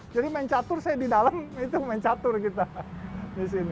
jadi main catur saya di dalam itu main catur kita di sini